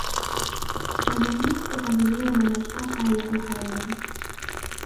Tanzania kukabiliwa na mashtaka ya uhaini